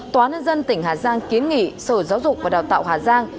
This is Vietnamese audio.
tòa nhân dân tỉnh hà giang kiến nghị sở giáo dục và đào tạo hà giang